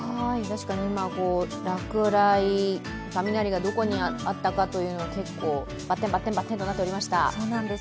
今、雷がどこにあったのかというの、バッテンバッテンとなっておりました。